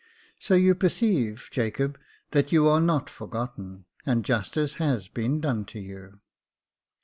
So you perceive, Jacob, that you are not forgotten, and justice has been done to you."